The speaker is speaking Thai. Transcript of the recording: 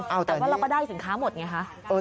แต่ว่าเราก็ได้สินค้าหมดไงคะ